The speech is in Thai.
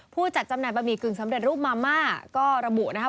ผู้จัดจำหน่าบะหมี่กึ่งสำเร็จรูปมาม่าก็ระบุนะครับ